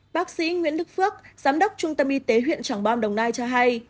bác sĩ nguyễn đức phước giám đốc trung tâm y tế huyện trảng bom đồng nai cho hay